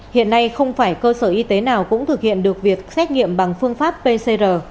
hiện nay không phải cơ sở y tế nào cũng thực hiện được việc xét nghiệm bằng phương pháp pcr